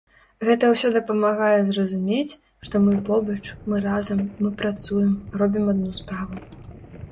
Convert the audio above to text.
Гэта ўсё дапамагае зразумець, што мы побач, мы разам, мы працуем, робім адну справу.